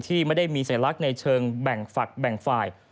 ที่ไม่ได้มีสัญลักษณ์ในเชิงแบ่งฝักแบ่งฝ่าย